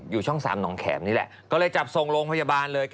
อยู่ช่อง๓หนองแขมนี่แหละก็เลยจับส่งโรงพยาบาลเลย